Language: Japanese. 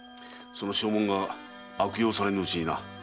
その証文が悪用されぬうちにな。